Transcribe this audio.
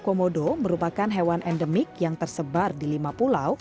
kepala balai prasarana permukiman wilayah ntt merupakan hewan endemik yang tersebar di lima pulau